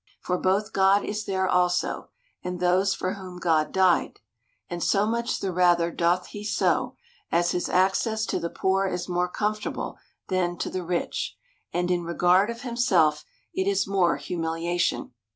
For both God is there also, and those for whom God died. And so much the rather doth he so, as his access to the poor is more comfortable, than to the rich ; and, in regard of himself, it is more humiliation.